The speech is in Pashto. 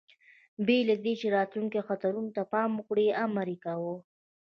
بې له دې، چې راتلونکو خطرونو ته پام وکړي، امر یې کاوه.